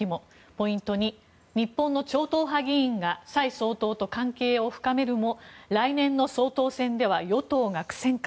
ポイント２、日本の超党派議員が蔡総統と関係を深めるも来年の総統選では与党が苦戦か。